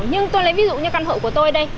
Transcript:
nhưng tôi lấy ví dụ như căn hộ của tôi đây